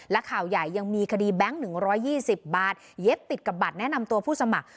และข่าวใหญ่ยังมีคดีแบงค์๑๒๐บาทเย็บติดกับบัตรแนะนำตัวผู้สมัคร